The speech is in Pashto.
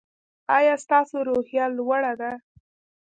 ایا ستاسو روحیه لوړه ده؟